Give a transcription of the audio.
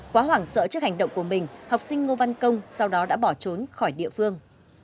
quá hoảng sợ trước hành động của mình học sinh ngô văn công sau đó đã bỏ trốn khỏi địa phương